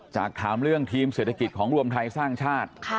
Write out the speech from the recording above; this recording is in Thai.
จากถามเรื่องทีมเศรษฐกิจของรวมไทยสร้างชาติ